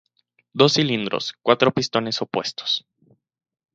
Dos cilindros, cuatro pistones opuestos.